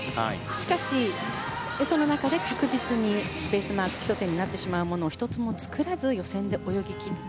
しかし、その中で確実にベースマーク基礎点になってしまうものを１つも作らず予選で泳ぎきった。